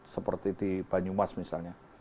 seperti di banyumas misalnya